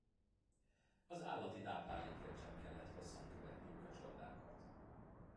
Az állati táplálékért sem kellett hosszan követniük a csordákat.